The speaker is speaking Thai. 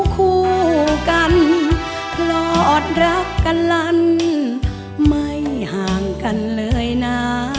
คู่กันหลอดรักกันลั่นไม่ห่างกันเลยนะ